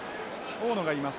大野がいます。